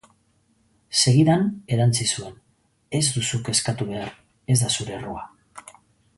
Segidan erantsi zuen Ez duzu kezkatu behar, ez da zure errua.